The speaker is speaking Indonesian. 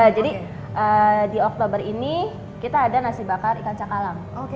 jadi di oktober ini kita ada nasi bakar ikan cakalang